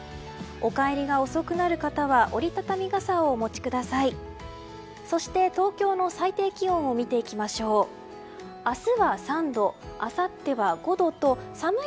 お帰りが遅くなる方は折り畳み傘をお持ちください。